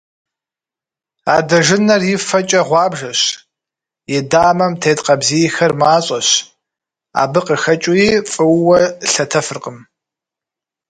Адэжынэр и фэкӏэ гъуабжэщ, и дамэм тет къабзийхэр мащӏэщ, абы къыхэкӏууи фӏыуэ лъэтэфыркъым.